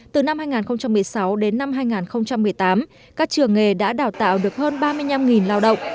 từ năm hai nghìn một mươi sáu đến năm hai nghìn một mươi tám các trường nghề đã đào tạo được hơn ba mươi năm lao động